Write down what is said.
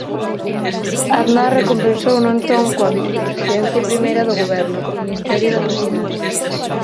Aznar recompensouno entón coa Vicepresidencia Primeira do Goberno e co Ministerio da Presidencia.